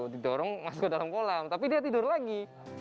didorong masuk ke dalam kolam tapi dia tidur lagi